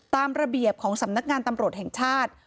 ตามระเบียบของสำนักงานตำรวจแห่งชาติ